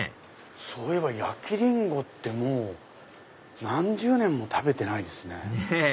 そういえば焼きリンゴって何十年も食べてないですね。ねぇ！